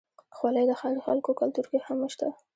خولۍ د ښاري خلکو کلتور کې هم شته.